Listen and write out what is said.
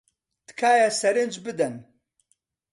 تکایە سەرنج بدەن.